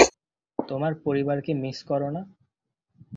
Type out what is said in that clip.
তোমার পরিবারকে মিস কর না?